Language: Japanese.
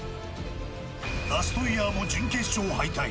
ラストイヤーも準決勝敗退